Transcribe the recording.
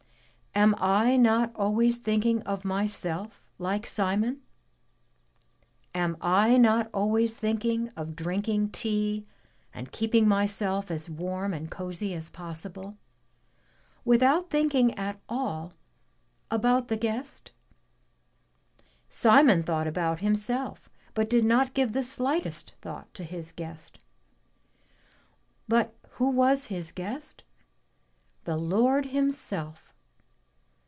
Am I not always thinking of myself like Simon? Am I not always thinking of drinking tea, and keeping myself as warm and cosy as possible, without thinking at all about the guest? Simon thought about himself, but did not give the slightest thought to his guest. But who was his guest? The Lord Himself.